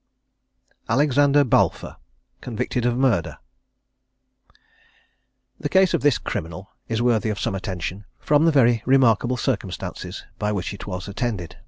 ALEXANDER BALFOUR. CONVICTED OF MURDER. The case of this criminal is worthy of some attention, from the very remarkable circumstances by which it was attended.